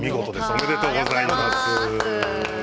おめでとうございます。